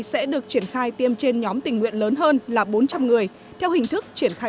sẽ được triển khai tiêm trên nhóm tình nguyện lớn hơn là bốn trăm linh người theo hình thức triển khai